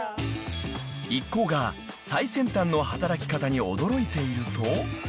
［一行が最先端の働き方に驚いていると］